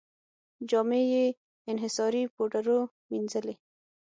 جامې یې انحصاري پوډرو مینځلې.